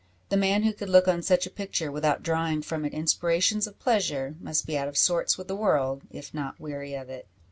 The man who could look on such a picture, without drawing from it inspirations of pleasure, must be out of sorts with the world, if not weary of it.